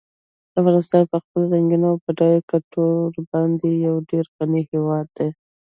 افغانستان په خپل رنګین او بډایه کلتور باندې یو ډېر غني هېواد دی.